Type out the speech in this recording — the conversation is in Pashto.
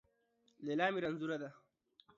ليلا مې رنځونه ده